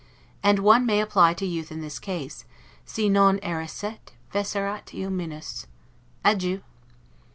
And one may apply to youth in this case, 'Si non errasset, fecerat ille minus'. Adieu.